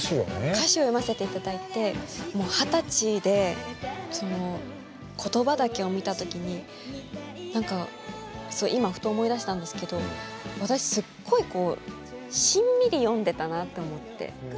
歌詞を読ませていただいてもう二十歳でその言葉だけを見た時に何か今ふと思い出したんですけど私すっごいこうしんみり読んでたなと思ってこの歌詞を。